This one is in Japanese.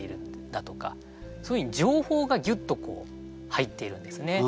そういうように情報がギュッと入っているんですね。